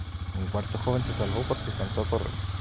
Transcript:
Un cuarto joven se salvó porque alcanzó a correr.